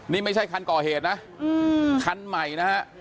นี่ไม่ใช่คันก่อเหตุนะคันใหม่นะฮะ